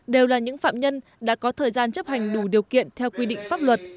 đều là những phạm nhân đã có thời gian chấp hành đủ điều kiện theo quy định pháp luật